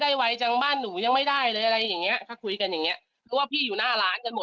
เดี๋ยวจะเอาสะเบียนบ้านใส่หน้าพวกมึง